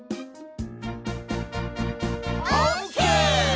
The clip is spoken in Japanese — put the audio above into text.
オーケー！